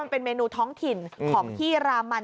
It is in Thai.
เป็นเมนูท้องถิ่นของที่รามัน